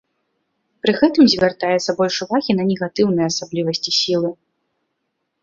Пры гэтым звяртаецца больш увагі на негатыўныя асаблівасці сілы.